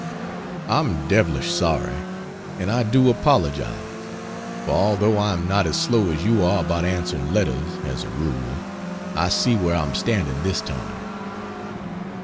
I'm devilish sorry, and I do apologise for although I am not as slow as you are about answering letters, as a rule, I see where I'm standing this time.